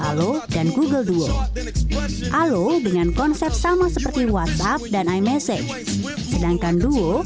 halo dan google duo halo dengan konsep sama seperti whatsapp dan imessage sedangkan duo